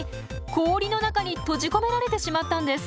氷の中に閉じ込められてしまったんです。